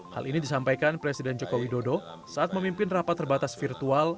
hal ini disampaikan presiden joko widodo saat memimpin rapat terbatas virtual